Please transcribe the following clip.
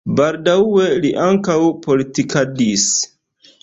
Baldaŭe li ankaŭ politikadis.